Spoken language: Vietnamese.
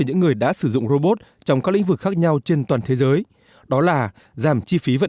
những người đã sử dụng robot trong các lĩnh vực khác nhau trên toàn thế giới đó là giảm chi phí vận